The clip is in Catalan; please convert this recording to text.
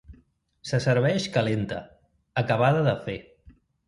Se serveix calenta, acabada de fer.